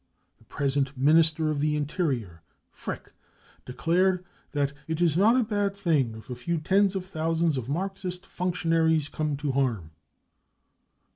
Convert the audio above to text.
The present Minister of the Interior, Frick, declared that : cc It is not a bad thing if a few tens of thousands of Marxist functionaries come to harm.